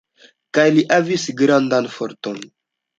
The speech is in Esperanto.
Kaj li havis grandan forton.